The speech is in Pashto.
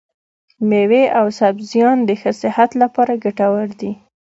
مېوې او سبزيان د ښه صحت لپاره ګټور دي.